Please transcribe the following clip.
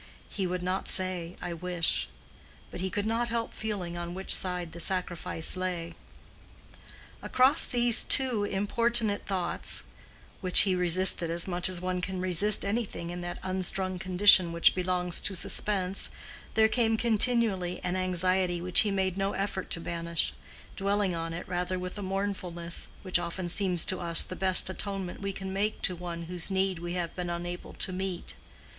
—he would not say "I wish"; but he could not help feeling on which side the sacrifice lay. Across these two importunate thoughts, which he resisted as much as one can resist anything in that unstrung condition which belongs to suspense, there came continually an anxiety which he made no effort to banish—dwelling on it rather with a mournfulness, which often seems to us the best atonement we can make to one whose need we have been unable to meet.